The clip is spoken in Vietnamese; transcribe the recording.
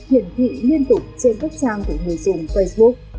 hiển thị liên tục trên các trang của người dùng facebook